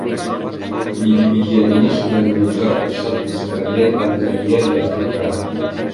Biji-bijian ini sudah menyebar pesat di sebagian Tanzania di Afrika,